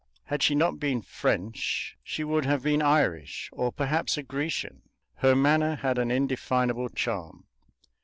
Had she not been French, she would have been Irish, or, perhaps, a Grecian. Her manner had an indefinable charm.